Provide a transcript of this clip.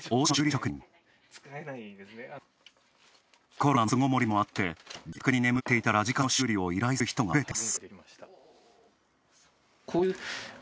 コロナの巣ごもりもあって自宅に眠っていたラジカセの修理を依頼する人が増えています。